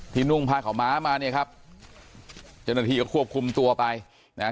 ที่นุ่งพาขาวม้ามาเนี่ยครับเจนทีก็ควบคุมตัวไปนะฮะ